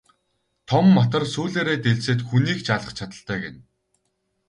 Том матар сүүлээрээ дэлсээд хүнийг ч алах чадалтай гэнэ.